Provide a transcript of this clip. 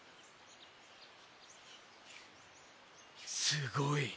すごい。